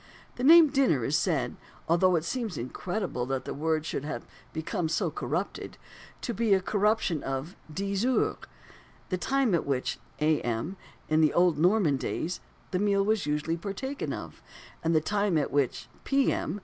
The name "dinner" is said although it seems incredible that words should have become so corrupted to be a corruption of dix heures, the time at which (A.M.), in the old Norman days, the meal was usually partaken of; and the time at which (P.M.)